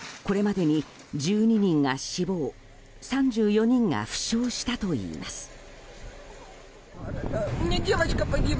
これまでに１２人が死亡３４人が負傷したといいます。